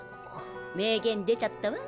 名言出ちゃったわ。